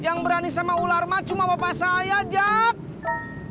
yang berani sama ular mak cuma bapak saya jack